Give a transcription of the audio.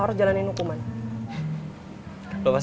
ada yang bisa melakukannya